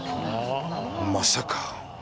まさか。